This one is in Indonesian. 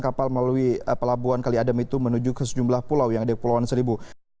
kapal melalui pelabuhan kali adem itu menuju ke sejumlah pulau yang ada di pulauan seribu